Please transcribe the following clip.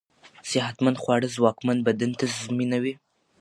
صحتمند خواړه ځواکمن بدن تضمينوي.